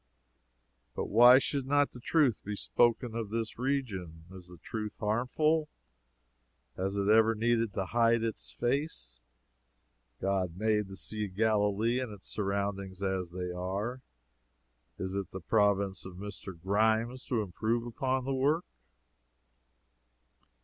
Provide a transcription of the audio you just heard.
But why should not the truth be spoken of this region? Is the truth harmful? Has it ever needed to hide its face? God made the Sea of Galilee and its surroundings as they are. Is it the province of Mr. Grimes to improve upon the work?